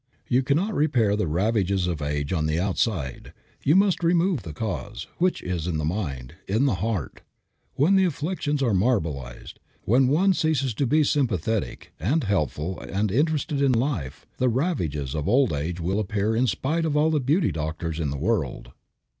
You cannot repair the ravages of age on the outside. You must remove the cause, which is in the mind, in the heart. When the affections are marbleized, when one ceases to be sympathetic and helpful and interested in life, the ravages of old age will appear in spite of all the beauty doctors in the world.